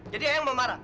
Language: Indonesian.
jadi eyang mau marah